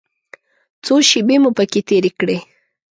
څو شېبې مو پکې تېرې کړې.